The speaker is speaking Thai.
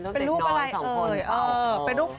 เยี่ยมเด็กน้องทั้ง๒คนเป็นรูปอะไร